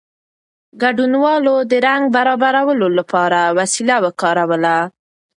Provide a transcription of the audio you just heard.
ګډونوالو د رنګ برابرولو لپاره وسیله وکاروله.